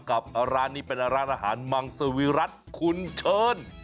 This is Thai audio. กับร้านนี้เป็นร้านอาหารมังสวิรัติคุณเชิญ